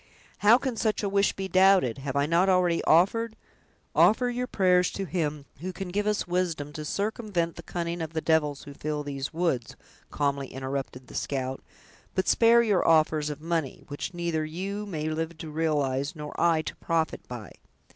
"How can such a wish be doubted! Have I not already offered—" "Offer your prayers to Him who can give us wisdom to circumvent the cunning of the devils who fill these woods," calmly interrupted the scout, "but spare your offers of money, which neither you may live to realize, nor I to profit by.